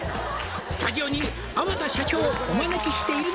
「スタジオに粟田社長をお招きしているので」